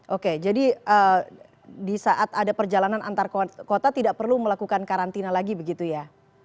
oke jadi di saat ada perjalanan antar kota tidak perlu melakukan karantina lagi begitu ya